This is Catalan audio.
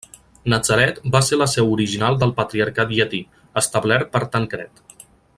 Natzaret va ser la seu original del Patriarcat Llatí, establert per Tancred.